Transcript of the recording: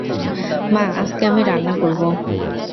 মা আজকে আমি রান্না করবো।